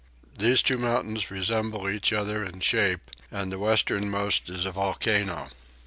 These two mountains resemble each other in shape and the westernmost is a volcano.